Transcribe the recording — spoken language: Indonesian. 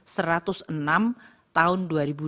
peraturan menteri keuangan satu ratus enam tahun dua ribu delapan